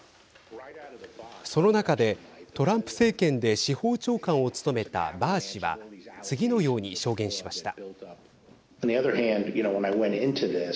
その中で、トランプ政権で司法長官を務めたバー氏は次のように証言しました。